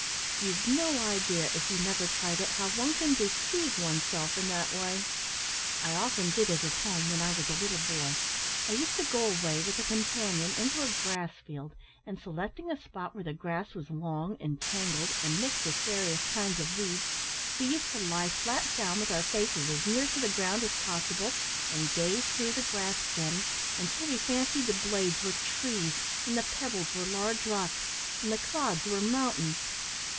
"You've no idea, if you never tried it, how one can deceive one's self in that way. I often did it at home, when I was a little boy. I used to go away with a companion into a grass field, and, selecting a spot where the grass was long and tangled, and mixed with various kinds of weeds, we used to lie flat down with our faces as near to the ground as possible, and gaze through the grass stems until we fancied the blades were trees, and the pebbles were large rocks, and the clods were mountains.